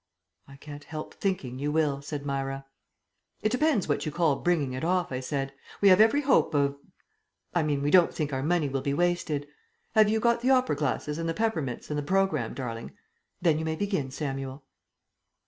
"I can't help thinking you will," said Myra. "It depends what you call bringing it off," I said. "We have every hope of I mean we don't think our money will be wasted. Have you got the opera glasses and the peppermints and the programme, darling? Then you may begin, Samuel."